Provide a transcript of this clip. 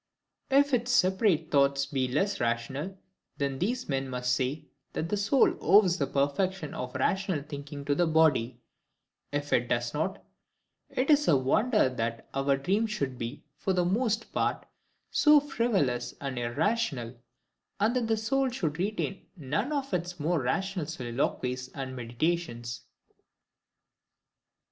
If its separate thoughts be less rational, then these men must say, that the soul owes the perfection of rational thinking to the body: if it does not, it is a wonder that our dreams should be, for the most part, so frivolous and irrational; and that the soul should retain none of its more rational soliloquies and meditations.